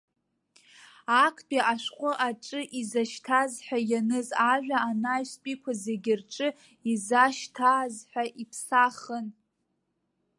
Актәи ашәҟәы аҿы изашьҭаз ҳәа ианыз ажәа, анаҩстәиқәа зегьы рҿы изашьҭааз ҳәа иԥсахын.